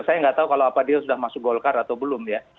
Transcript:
saya nggak tahu kalau apa dia sudah masuk golkar atau belum ya